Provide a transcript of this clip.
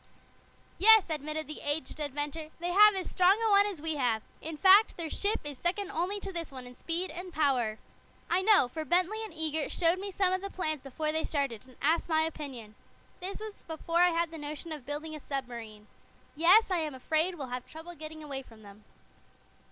"Yes," admitted the aged inventor, "they have as strong a one as we have. In fact, their ship is second only to this one in speed and power. I know, for Bentley & Eagert showed me some of the plans before they started it, and asked my opinion. This was before I had the notion of building a submarine. Yes, I am afraid we'll have trouble getting away from them."